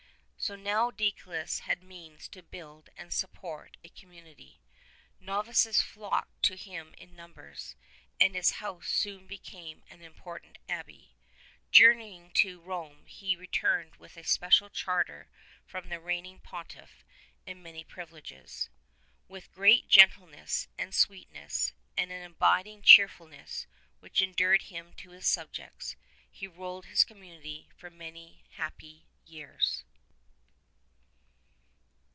So now Deicolus had the means to build and to support a community. Novices flocked to him in numbers, and his house soon became an important abbey. Journeying to Rome he returned with a special charter from the reigning Pontiff and many privileges. With great gentleness and sweetness, and an abiding cheerfulness which endeared him to his subjects, he ruled his community for many happy years.